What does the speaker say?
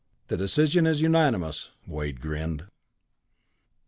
"The decision is unanimous," Wade grinned.